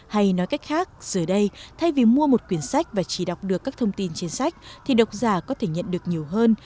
hay nói cách khác giờ đây thay vì mua một quyển sách và chỉ đọc được các thông tin trên sách thì độc giả có thể nhận được nhiều hơn